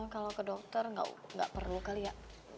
kalau ke dokter nggak perlu kali ya